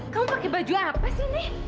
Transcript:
kamu pakai baju apa sih nek